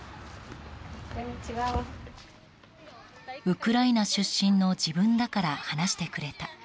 ウクライナ出身の自分だから話してくれた。